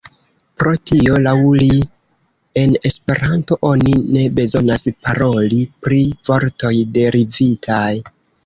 Pro tio, laŭ li, en Esperanto oni ne bezonas paroli pri vortoj derivitaj.